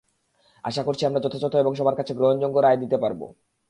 আশা করছি আমরা যথাযথ এবং সবার কাছে গ্রহণযোগ্য রায় দিতে পারব।